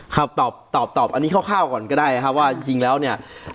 ครับตอบอันนี้เข้าข้าวก่อนก็ได้ว่าจริงแล้วเนี่ย